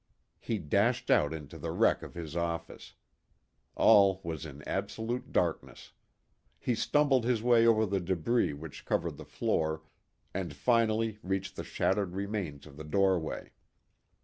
He dashed out into the wreck of his office. All was in absolute darkness. He stumbled his way over the debris which covered the floor, and finally reached the shattered remains of the doorway.